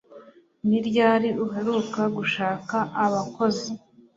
Ni ryari uheruka gushaka abakozi